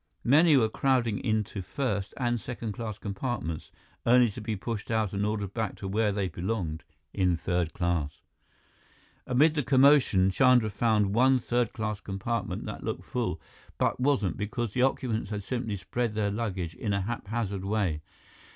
Many were crowding into first and second class compartments, only to be pushed out and ordered back to where they belonged, in third class. Amid the commotion, Chandra found one third class compartment that looked full, but wasn't, because the occupants had simply spread their luggage in a haphazard way.